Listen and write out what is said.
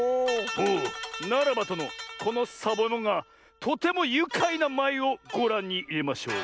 おおならばとのこのサボえもんがとてもゆかいなまいをごらんにいれましょう。